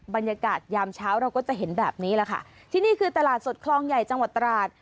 ยามเช้าเราก็จะเห็นแบบนี้แหละค่ะที่นี่คือตลาดสดคลองใหญ่จังหวัดตราด